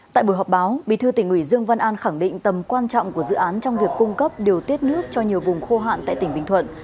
tại buổi họp báo bí thư tỉnh ủy dương văn an khẳng định tầm quan trọng của dự án trong việc cung cấp điều tiết nước cho nhiều vùng khô hạn tại tỉnh bình thuận